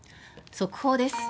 速報です。